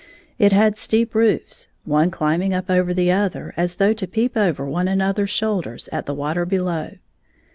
It had steep roofs, one climbing up over the other as though to peep over one another^s shoulders at the water below.